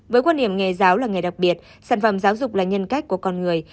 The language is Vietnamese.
với quan điểm nghề giáo là nghề đặc biệt sản phẩm giáo dục là nhân cách của con người